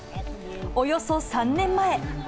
およそ３年前。